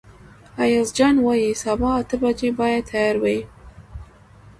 ایاز جان وايي سبا اته بجې باید تیار وئ.